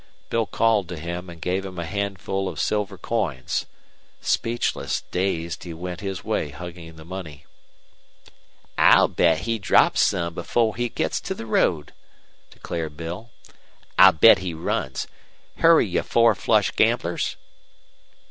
Bill called to him and gave him a handful of silver coins. Speechless, dazed, he went his way hugging the money. "I'll bet he drops some before he gits to the road," declared Bill. "I'll bet he runs. Hurry, you four flush gamblers."